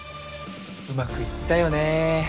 うまくいったよね